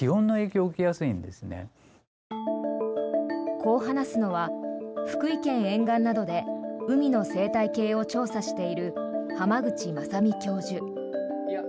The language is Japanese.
こう話すのは福井県沿岸などで海の生態系を調査している浜口昌巳教授。